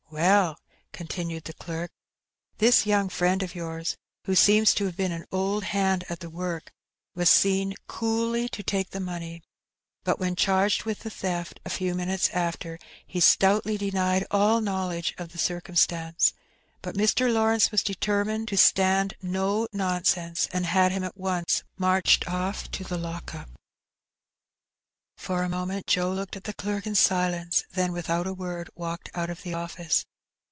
"Well," continued the clerk, "this young fiiend of yours, who seems to have been an old hand at the work, was seen coolly to take the money. But when charged with the theflb, a few minutes after, he stoutly denied all know ledge of the circumstance; but Mr. Lawrence was deter mined to stand no nonsense, and had him at once marched oflF to the lock up." For a moment Joe looked at the clerk in silence, then, without a word, walked out of the office.